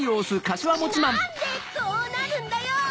なんでこうなるんだよ！